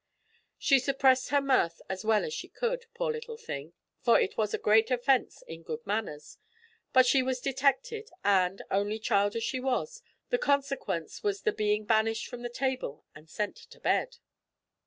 She suppressed her mirth as well as she could, poor little thing, for it was a great offence in good manners, but she was detected, and, only child as she was, the consequence was the being banished from the table and sent to bed.